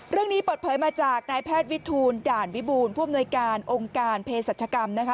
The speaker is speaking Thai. เรื่องนี้เปิดเผยมาจากนายแพทย์วิทูลด่านวิบูรผู้อำนวยการองค์การเพศรัชกรรมนะคะ